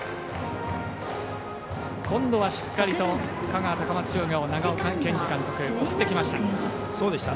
今度はしっかりと香川、高松商業長尾健司監督、送ってきました。